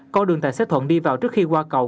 con đường tài xế thuận đi vào trước khi qua cầu